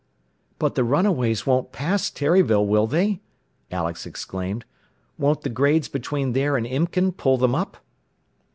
"But the runaways won't pass Terryville, will they?" Alex exclaimed. "Won't the grades between there and Imken pull them up?"